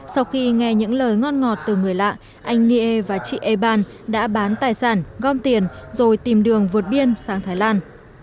sau khi nghe những lời ngon ngọt từ người lạ anh nie và chị eban đã bán tài sản gom tiền rồi tìm đường vượt biên sang thái lan